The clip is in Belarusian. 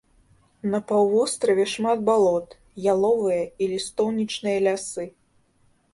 На паўвостраве шмат балот, яловыя і лістоўнічныя лясы.